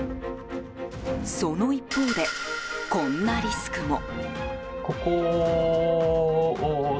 その一方で、こんなリスクも。